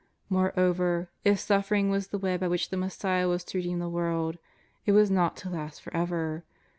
Moreover, if suffering was the way by which the Messiah was to redeem the world, it was not to last for ever.